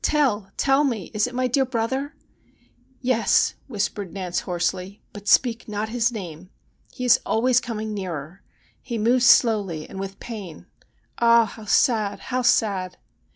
Tell, tell me, is it my dear brother ?'' Yes,' whispered Nance hoarsely, ' but speak not his name He is always coming nearer. He moves slowly, and with pain. Ah ! how sad, how sad